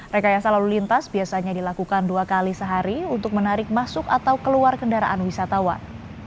rekayasa lalu lintas biasanya dilakukan dua kali sehari untuk menarik masuk atau keluar kendaraan wisatawan